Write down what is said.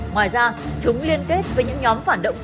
ngoài ra chúng liên kết với những nhóm phản động